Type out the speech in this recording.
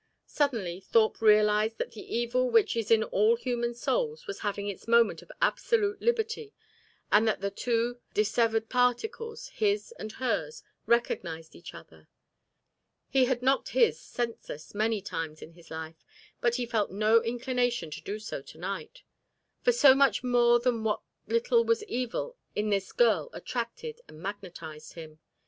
Suddenly Thorpe realised that the evil which is in all human souls was having its moment of absolute liberty, and that the two dissevered particles, his and hers, recognised each other. He had knocked his senseless many times in his life, but he felt no inclination to do so to night; for so much more than what little was evil in this girl attracted and magnetised him.